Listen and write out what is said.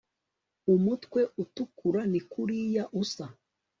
umutwe utukura nikuriya usa